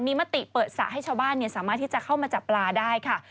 มีมติเปิดสระให้ชาวบ้านสามารถที่จะเข้ามาจับปลาได้ค่ะ